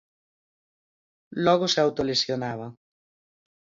Logo se autolesionaba.